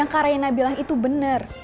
mama bilang itu benar